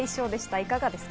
いかがですか？